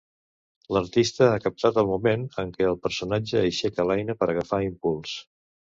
L’artista ha captat el moment en què el personatge aixeca l’eina per agafar impuls.